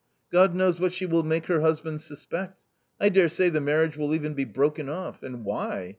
God knows what she will make her husband suspect; I daresay, the marriage will even be broken off, and why